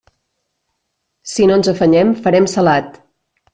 Si no ens afanyem, farem salat.